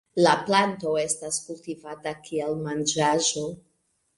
La planto estas kultivata kiel manĝaĵo.